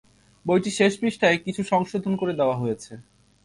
বইটির শেষ পৃষ্ঠায় কিছু সংশোধন করে দেওয়া হয়েছে।